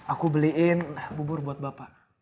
aku beliin bubur buat bapak